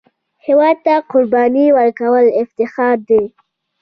هېواد ته قرباني ورکول افتخار دی